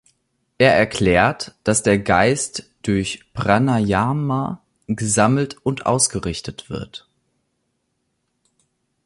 Er erklärt, dass der Geist durch Pranayama gesammelt und ausgerichtet wird.